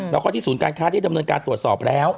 แล้วก็ที่ศูนย์การค้าได้ดำเนินการตรวจสอบแล้ว